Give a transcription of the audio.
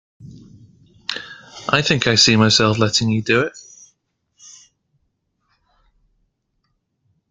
I think I see myself letting you do it.